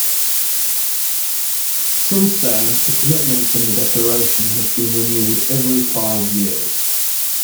Since then, the commitments in the Declaration have been renewed every five years.